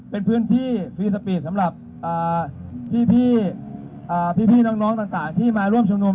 เป็นพื้นที่ฟรีสปีดสำหรับพี่น้องต่างที่มาร่วมชุมนุม